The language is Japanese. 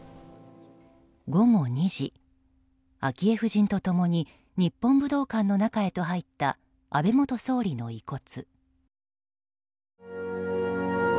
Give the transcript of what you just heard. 午後２時昭恵夫人と共に日本武道館の中へと入った安倍元総理の遺骨。